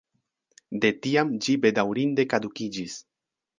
De tiam ĝi bedaŭrinde kadukiĝis.